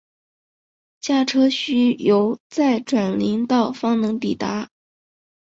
驾车需由再转林道方能抵达。